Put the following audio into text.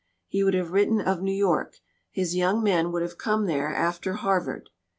He would have written of New York; his young men would have come there after Harvard.